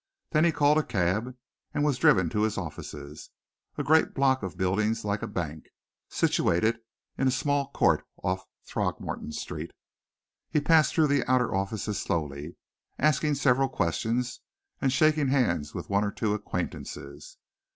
Then he called a cab and was driven to his offices, a great block of buildings like a bank, situated in a small court off Throgmorton Street. He passed through the outer offices slowly, asking several questions, and shaking hands with one or two acquaintances.